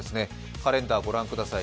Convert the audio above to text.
カレンダーご覧ください。